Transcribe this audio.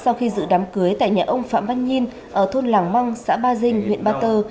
sau khi dự đám cưới tại nhà ông phạm văn nhiên ở thôn làng măng xã ba dinh huyện ba tơ